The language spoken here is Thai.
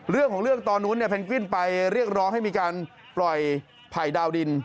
เรื่องของเรื่องตอนนู้นเนี่ยเพนกวินไปเรียกร้องให้มีการปล่อยไผ่ดาวดิน